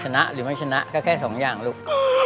ชนะหรือไม่ชนะก็แค่สองอย่างลูก